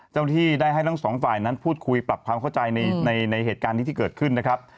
เจ้าหน้าที่ได้ให้ทั้งสองฝ่ายนั้นพูดคุยปรับความเข้าใจในเหตุการณ์นี้ที่เกิดขึ้นนะครับ